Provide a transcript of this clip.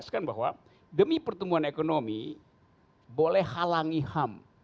saya inginkan bahwa demi pertumbuhan ekonomi boleh halangi ham